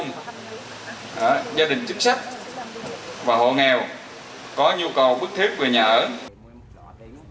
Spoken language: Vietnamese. gia đình chính sách và hộ nghèo có nhu cầu bức thiết về nhà ở